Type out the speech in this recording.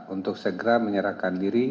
untuk segera menyerahkan diri